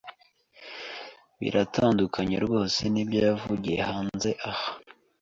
Biratandukanye rwose nibyo yavugiye hanze aha.